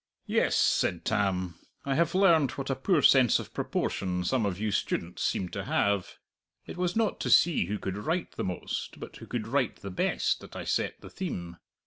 "Yes," said Tam, "I have learned what a poor sense of proportion some of you students seem to have. It was not to see who could write the most, but who could write the best, that I set the theme.